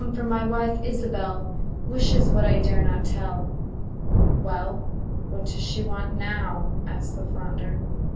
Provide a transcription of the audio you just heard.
for my wife, Ilsebel, Wishes what I dare not tell.' 'Well, what does she want now?' asked the flounder.